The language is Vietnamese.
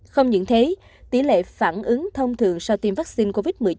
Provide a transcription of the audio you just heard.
không những thế tỷ lệ phản ứng thông thường sau tiêm vaccine covid một mươi chín